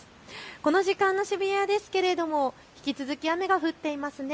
この時間の渋谷ですが引き続き雨が降っています。